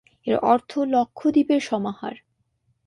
এর অর্থ লক্ষ দ্বীপের সমাহার।